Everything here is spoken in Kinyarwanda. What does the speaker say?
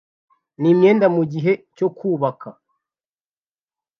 n'imyenda mugihe cyo kubaka